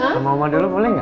sama oma dulu boleh gak